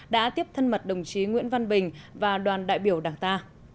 đã tiếp thân mật đồng chí nguyễn văn bình và đoàn đại biểu đảng ta